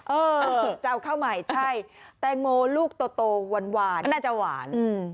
เออจะเอาข้าวใหม่ใช่แตงโมลูกโตหวานน่าจะหวาน